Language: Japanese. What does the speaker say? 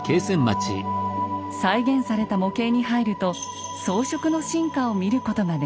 再現された模型に入ると装飾の進化を見ることができます。